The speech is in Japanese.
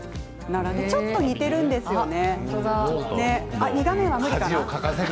ちょっと似ているんですよね。